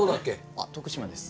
あ徳島です。